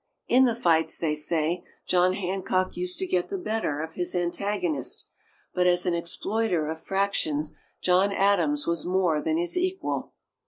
In the fights, they say, John Hancock used to get the better of his antagonist, but as an exploiter of fractions John Adams was more than his equal.